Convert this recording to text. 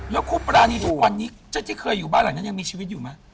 แล้วครูปรานีทุกวันนี้เจ้าที่เคยอยู่บ้านหลังนั้นยังมีชีวิตอยู่ไหม